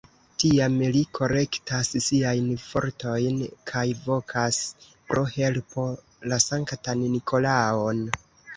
Tiam li kolektas siajn fortojn kaj vokas pro helpo la sanktan Nikolaon.